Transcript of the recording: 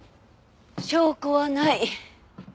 「証拠はない」。